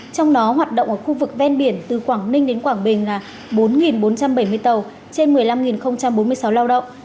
trong đó hoạt động ở khu vực ven biển từ quảng ninh đến quảng bình là bốn bốn trăm bảy mươi tàu trên một mươi năm bốn mươi sáu lao động